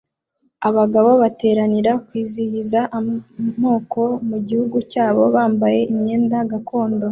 Abagabo bateranira kwizihiza amoko mugihugu cyabo bambaye imyenda gakondo